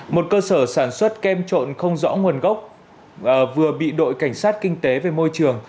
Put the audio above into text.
một cơ sở sản xuất kem trộn không rõ nguồn gốc vừa bị đội cảnh sát kinh tế về môi trường